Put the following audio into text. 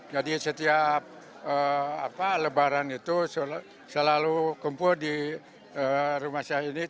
jadi setiap lebaran itu selalu kumpul di rumah saya ini